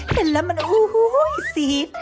เห็นแล้วมันโอ้โหซีด